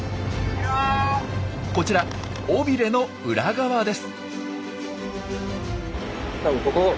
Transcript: こちら尾ビレの裏側です。